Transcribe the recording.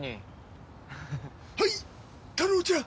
はいタロウちゃん！